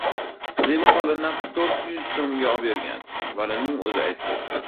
Zebi xola naqd to‘rt yuz so‘mga obergan. Valining o‘zi aytgan.